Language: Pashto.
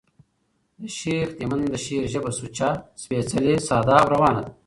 د شېخ تیمن د شعر ژبه سوچه، سپېڅلې، ساده او روانه ده.